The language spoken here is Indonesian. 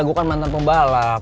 gue kan mantan pembalap